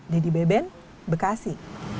dedy beben bekasi